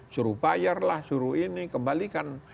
suruh bayarlah suruh ini kembalikan